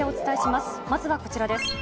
まずはこちらです。